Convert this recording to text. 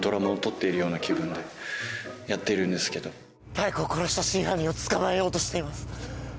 妙子を殺した真犯人を捕まえようとしています。